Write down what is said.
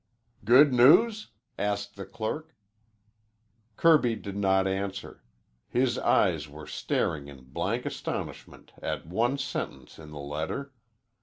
"Good news?" asked the clerk. Kirby did not answer. His eyes were staring in blank astonishment at one sentence in the letter.